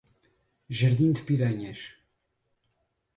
Jardim de Piranhas